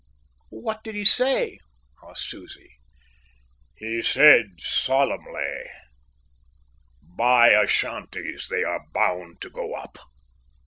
"What did he say?" asked Susie. "He said solemnly: '_Buy Ashantis, they are bound to go up.